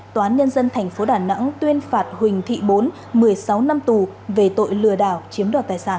tòa án nhân dân tp đà nẵng tuyên phạt huỳnh thị bốn một mươi sáu năm tù về tội lừa đảo chiếm đoạt tài sản